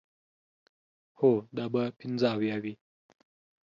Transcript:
هو، دا به پنځه اویا وي.